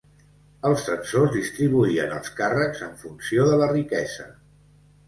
Els censors distribuïen els càrrecs en funció de la riquesa.